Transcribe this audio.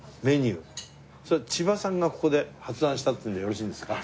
それは千葉さんがここで発案したっていうのでよろしいんですか？